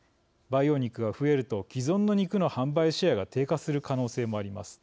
培養肉が増えると既存の肉の販売シェアが低下する可能性もあります。